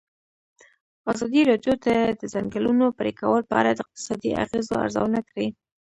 ازادي راډیو د د ځنګلونو پرېکول په اړه د اقتصادي اغېزو ارزونه کړې.